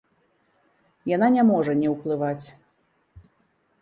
Яна не можа не ўплываць.